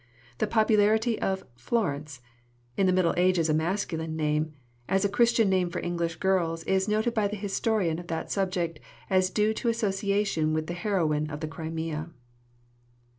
The popularity of "Florence" in the Middle Ages a masculine name as a Christian name for English girls is noted by the historian of that subject as due to association with the heroine of the Crimea.